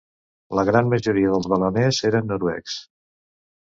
La gran majoria dels baleners eren noruecs.